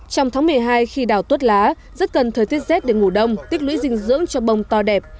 trong tháng một mươi hai khi đào tuốt lá rất cần thời tiết rét để ngủ đông tích lũy dinh dưỡng cho bông to đẹp